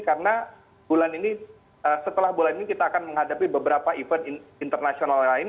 karena bulan ini setelah bulan ini kita akan menghadapi beberapa event internasional lain